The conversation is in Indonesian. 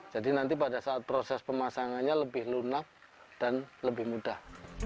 nanti pada saat proses pemasangannya lebih lunak dan lebih mudah